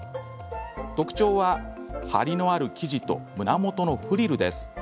特徴は、張りのある生地と胸元のフリルです。